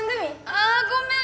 ああごめん！